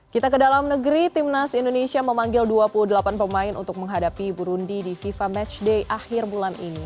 kita ke dalam negeri timnas indonesia memanggil dua puluh delapan pemain untuk menghadapi burundi di fifa matchday akhir bulan ini